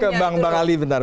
saya ke bang ali bentar